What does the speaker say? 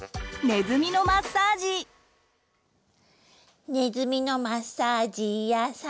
「ネズミのマッサージやさん